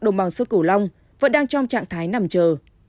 đồng bằng sông cửu long vẫn đang trong trạng thái nằm chờ